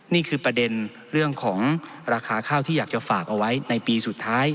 นี่คือประเด็นเรื่องของราคาข้าวที่อยากจะฝากเอาไว้ในปีสุดท้าย